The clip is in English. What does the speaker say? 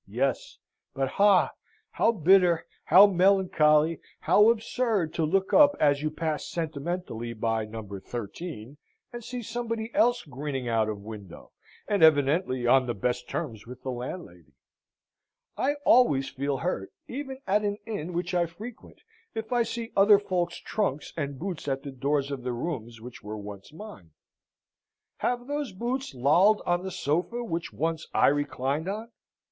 Yes; but, ha! how bitter, how melancholy, how absurd to look up as you pass sentimentally by No. 13, and see somebody else grinning out of window, and evidently on the best terms with the landlady. I always feel hurt, even at an inn which I frequent, if I see other folks' trunks and boots at the doors of the rooms which were once mine. Have those boots lolled on the sofa which once I reclined on?